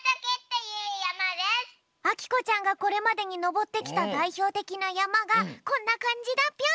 あきこちゃんがこれまでにのぼってきただいひょうてきなやまがこんなかんじだぴょん！